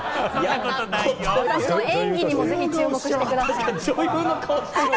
私の演技にも注目してください。